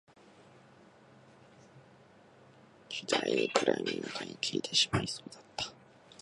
指や手や足、それに喉や鼻や目や脳みそが、次第に暗闇の中に消えてしまいそうだった